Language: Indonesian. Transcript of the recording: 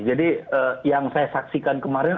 jadi yang saya saksikan kemarin